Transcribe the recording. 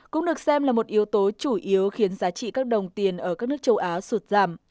cũng được xem là một yếu tố chủ yếu khiến giá trị các đồng tiền ở các nước châu á sụt giảm